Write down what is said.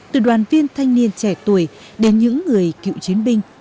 từ đoàn viên thanh niên trẻ tuổi đến những người cựu chiến binh